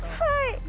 はい。